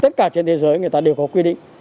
tất cả trên thế giới người ta đều có quy định